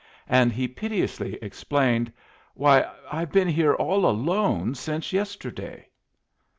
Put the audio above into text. And he piteously explained: "Why, I've been here all alone since yesterday!"